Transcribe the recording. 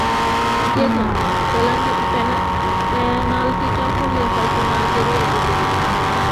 কে জানে, পেনাল্টিটা হলে হয়তো নাইজেরিয়াই জিতে যেত।